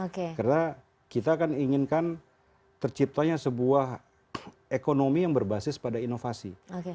karena kita inginkan terciptanya sebuah ekonomi yang berbasis pada inovasi